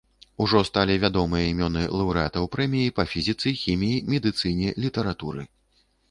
Ужо сталі вядомыя імёны лаўрэатаў прэмій па фізіцы, хіміі, медыцыне, літаратуры.